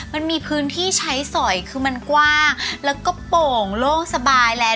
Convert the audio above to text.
มันมีพื้นที่ใช้สอยคือมันกว้างแล้วก็โป่งโล่งสบายแล้ว